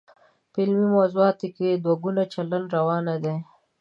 په علمي موضوعاتو کې دوه ګونی چلند روا نه دی.